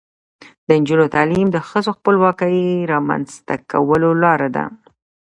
د نجونو تعلیم د ښځو خپلواکۍ رامنځته کولو لاره ده.